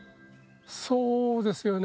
そうですよね